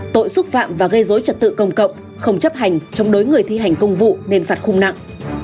tội xúc phạm và gây dối trật tự công cộng không chấp hành chống đối người thi hành công vụ nên phạt khung nặng